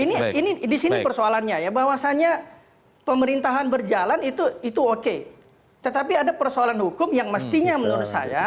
ini disini persoalannya ya bahwasannya pemerintahan berjalan itu oke tetapi ada persoalan hukum yang mestinya menurut saya